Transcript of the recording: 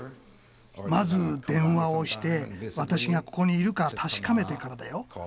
まず電話をして私がここにいるか確かめてからだよ。